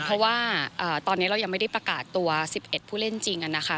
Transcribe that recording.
เพราะว่าตอนนี้เรายังไม่ได้ประกาศตัว๑๑ผู้เล่นจริงนะคะ